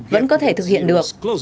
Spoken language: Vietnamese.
vẫn có thể thực hiện được